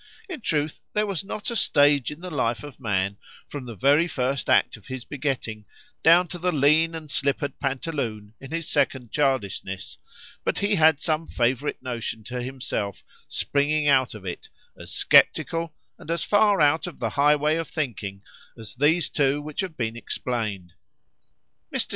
In truth, there was not a stage in the life of man, from the very first act of his begetting,——down to the lean and slippered pantaloon in his second childishness, but he had some favourite notion to himself, springing out of it, as sceptical, and as far out of the high way of thinking, as these two which have been explained. —Mr.